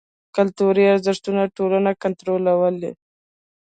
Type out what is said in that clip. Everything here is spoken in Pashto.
کلتوري ارزښتونه ټولنه کنټرولوي.